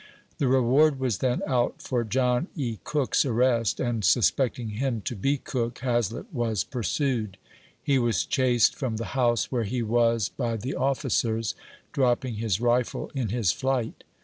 The reward was then out for John E. Cook's arrest, and sus pecting him to be Cook, Hazlett was pursued. He was chased from the house where he was by the oflicers, dropping his rifle in his flight.